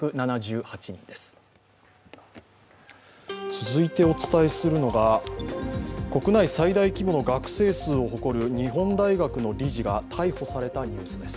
続いてお伝えするのが国内最大規模の学生数を誇る日本大学の理事が逮捕されたニュースです。